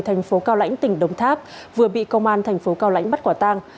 thành phố cao lãnh tỉnh đồng tháp vừa bị công an thành phố cao lãnh bắt quả tang